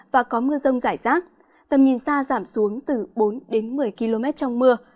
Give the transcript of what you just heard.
và có mưa rông rải rác tầm nhìn xa giảm xuống từ bốn đến một mươi km trong mưa